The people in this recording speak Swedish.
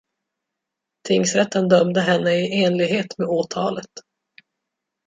Tingsrätten dömde henne i enlighet med åtalet.